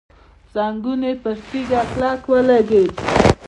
زنګون يې په تيږه کلک ولګېد.